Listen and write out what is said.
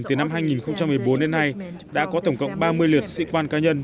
từ năm hai nghìn một mươi bốn đến nay đã có tổng cộng ba mươi lượt sĩ quan cá nhân